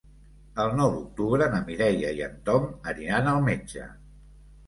El nou d'octubre na Mireia i en Tom aniran al metge.